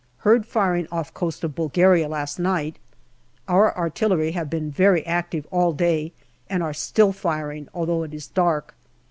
Heard firing off coast of Bulgaria last night. Our artillery have been very active all day, and are still firing, although it is dark.